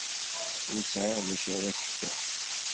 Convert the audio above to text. Ur sɛiɣ d acu ara ak-fkeɣ.